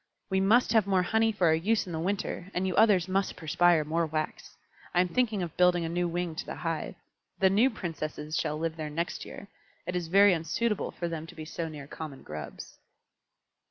"We must have more honey for our use in the winter, and you others must perspire more wax. I am thinking of building a new wing to the hive. The new Princesses shall live there next year; it is very unsuitable for them to be so near common Grubs."